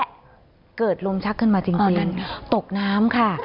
แต่เกิดลมชักขึ้นมาจริงตกน้ำค่ะ